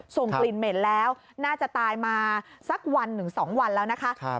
ส่งกลิ่นเหม็นแล้วน่าจะตายมาสักวันหนึ่ง๒วันแล้วนะคะ